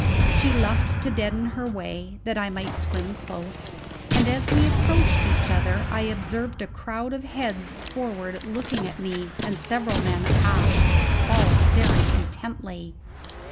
She luffed to deaden her way, that I might swim close, and as we approached each other I observed a crowd of heads forward looking at me, and several men aft, all staring intently.